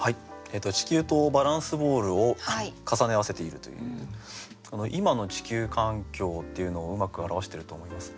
地球とバランスボールを重ね合わせているという今の地球環境っていうのをうまく表してると思います。